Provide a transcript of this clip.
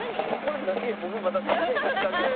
僕まだ食べてへんから知らんけど。